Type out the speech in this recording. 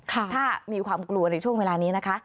ถ้ามีความกลัวในช่วงเวลานี้นะคะ